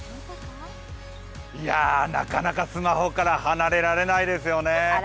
いやぁ、なかなかスマホから離れられないですよね。